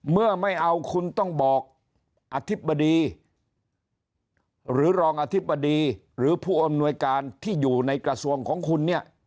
เมื่อไม่เอาคุณต้องบอกอธิบดีหรือรองอธิบดีหรือผู้อำนวยการที่อยู่ในกระทรวงของคุณเนี่ย